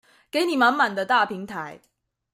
給你滿滿的大平台